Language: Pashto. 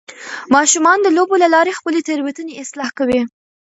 ماشومان د لوبو له لارې خپلې تیروتنې اصلاح کوي.